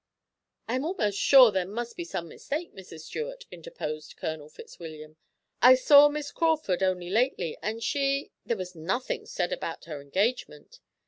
"I am almost sure there must be some mistake, Mrs. Stuart," interposed Colonel Fitzwilliam. "I saw Miss Crawford the only lately, and she there was nothing said about her engagement."